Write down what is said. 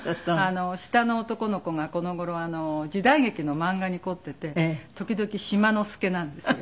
下の男の子がこの頃時代劇の漫画に凝っていて時々「志麻のすけ」なんですよ。